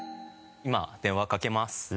今電話かけます。